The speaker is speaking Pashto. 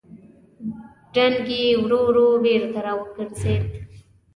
رنګ يې ورو ورو بېرته راوګرځېد.